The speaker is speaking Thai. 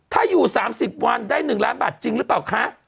ถ้าอยู่๓๐วันได้๑ล้านบาทจริงหรือเปล่าคะ